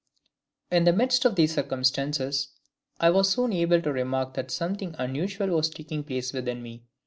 "In the midst of these circumstances, I was soon able to remark that something unusual was taking place within me.